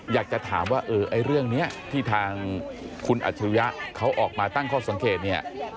อยากจะถามว่าเออไอ้เรื่องนี้ที่ทางคุณอัจฉริยะเขาออกมาตั้งข้อสังเกตเนี่ย